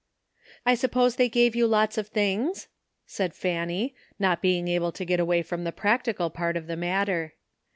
*'I suppose they gave you lots of things?" said Fanny, not being able to get away from the practical part of the matter.